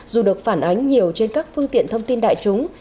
dù được phản ánh nhiều trên các phương tiện thông tin đại chúng